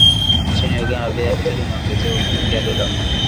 Nchini Uganda, bei ya petroli imeongezeka kufikia dola moja.